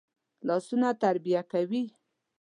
لاسونه تربیه کوي